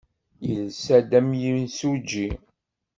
Yelsa-d am yimsujji.